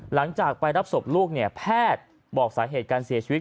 หลังจากไปรับศพลูกเนี่ยแพทย์บอกสาเหตุการเสียชีวิต